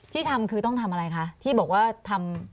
ที่ทำคือต้องทำอะไรคะที่บอกว่าทำ